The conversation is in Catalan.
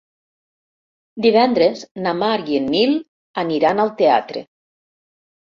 Divendres na Mar i en Nil aniran al teatre.